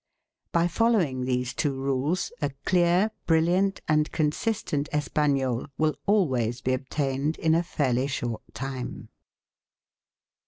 By following these two rules, a clear, brilliant, and consistent Espagnole will always be obtained in a fairly short time.